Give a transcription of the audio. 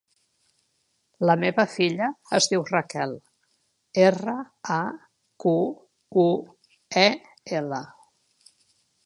La meva filla es diu Raquel: erra, a, cu, u, e, ela.